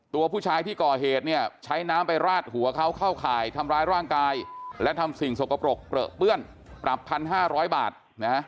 ตัวผู้ชายที่ก่อเหตุเนี่ยใช้น้ำไปราดหัวเขาเข้าข่ายทำร้ายร่างกายและทำสิ่งสกปรกเปลือเปื้อนปรับ๑๕๐๐บาทนะฮะ